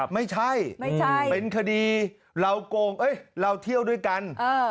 ไม่ใช่เป็นคดีเราเที่ยวด้วยกัน